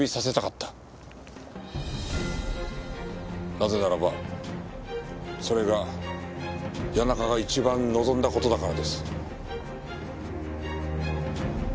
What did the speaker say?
なぜならばそれが谷中が一番望んだ事だからです。